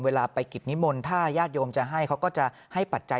เวลาไปกิจนิมนต์ถ้าญาติโยมจะให้เขาก็จะให้ปัจจัย